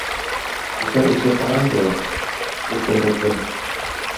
Утар эсе ҡараңғы, шырпы һыҙҙым.